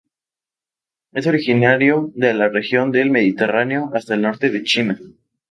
Es originario de la región del Mediterráneo hasta el norte de China.